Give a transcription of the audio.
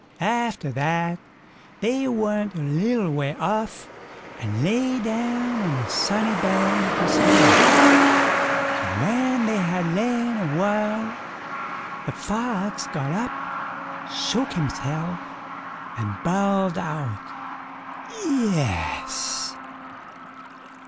After that they went a little way off and lay down on a sunny bank to sleep. So when they had lain a while the Fox got up, shook himself, and bawled out "yes".